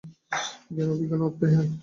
জ্ঞান এবং বিজ্ঞানের অর্থ ইহাই।